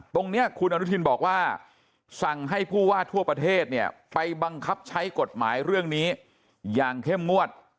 ตรงนี้คุณอนุทินบอกว่าสั่งให้ผู้ว่าทั่วประเทศเนี่ยไปบังคับใช้กฎหมายเรื่องนี้อย่างเข้มงวด